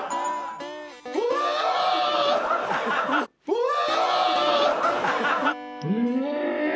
うわ！